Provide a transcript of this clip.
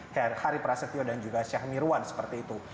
dari hari prasetyo dan juga syekh mirwan seperti itu